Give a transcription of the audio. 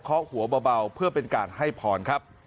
เขาหัวเบาเพื่อเป็นการให้พรครับ